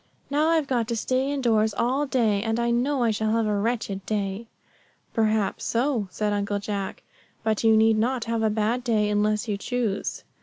Now I've got to stay in doors all day, and I know I shall have a wretched day." "Perhaps so," said Uncle Jack; "but you need not have a bad day unless you choose."